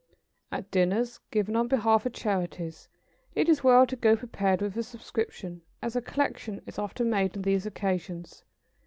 ] At dinners given on behalf of charities, it is well to go prepared with a subscription, as a collection is often made on these occasions.